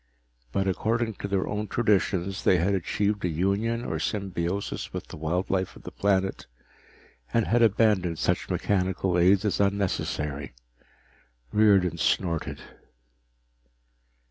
But according to their own traditions they had achieved a union or symbiosis with the wild life of the planet and had abandoned such mechanical aids as unnecessary. Riordan snorted.